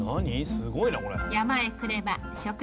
すごいなこれ。